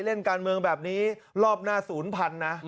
เล่นการเมืองแบบนี้รอบหน้าศูนย์พันธุ์นะ